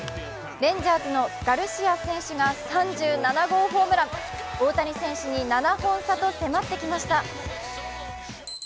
レンジャーズのガルシア選手が３７号ホームラン大谷選手に７本差と迫ってきました。